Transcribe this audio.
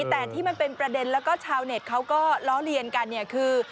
แต่ที่มันเป็นประเด็นแล้วก็ชาวเน็ตเขาก็ล้อเลียนกันเนี่ยคือ